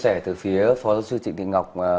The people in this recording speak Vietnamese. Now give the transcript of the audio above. chia sẻ từ phía phó giáo sư trịnh thị ngọc